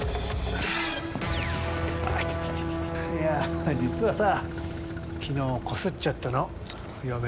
いや実はさ昨日こすっちゃったの嫁の車。